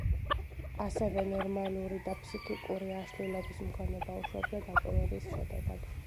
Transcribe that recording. ასევე ნორმალური და ფსიქიკური აშლილობის მქონე ბავშვებზე დაკვირვების შედეგად.